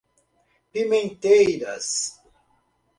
Pimenteiras